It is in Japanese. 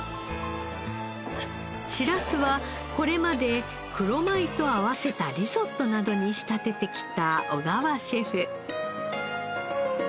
しらすはこれまで黒米と合わせたリゾットなどに仕立ててきた小川シェフ。